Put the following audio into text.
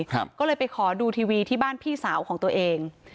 ก็เลยไปขอดูทีวีที่บ้านพี่สาวของตัวเอง